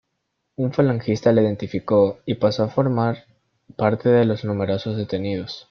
Un falangista le identificó y pasó a formar parte de los numerosos detenidos.